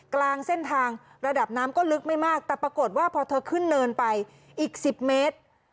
กลางเส้นทางระดับน้ำก็ลึกไม่มากแต่ปรากฏว่าพอเธอขึ้นเนินไปอีก๑๐เมตร